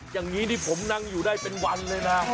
อย่างนี้นี่ผมนั่งอยู่ได้เป็นวันเลยนะ